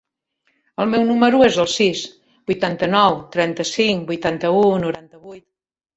El meu número es el sis, vuitanta-nou, trenta-cinc, vuitanta-u, noranta-vuit.